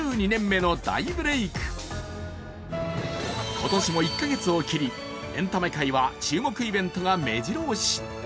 今年も１か月を切りエンタメ界は注目イベントがめじろ押し。